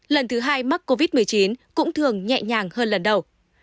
lần thứ hai mắc covid một mươi chín cũng thường nhẹ nhàng hơn lần đầu